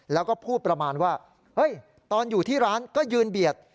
แล้วก็พูดประมาณว่าตอนอยู่ที่ร้านก็ยืนเบียด